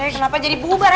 kenapa jadi bubar ya